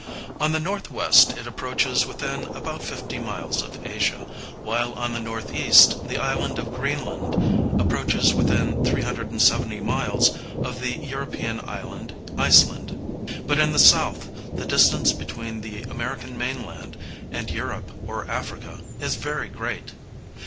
On the north west it approaches within about 50 miles of Asia, while on the north east the island of Greenland approaches within 370 miles of the European island Iceland; but in the south the distance between the American mainland and Europe or Africa is very great.